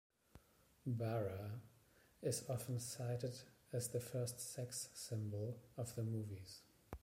Bara is often cited as the first sex symbol of the movies.